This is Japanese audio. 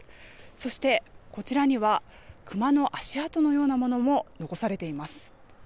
そして、こちらには、クマの足跡のようなものも残されています。